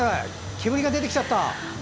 煙が出てきちゃった！